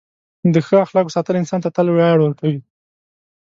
د ښه اخلاقو ساتل انسان ته تل ویاړ ورکوي.